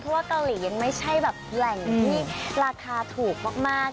เพราะว่าเกาหลียังไม่ใช่แบบแหล่งที่ราคาถูกมาก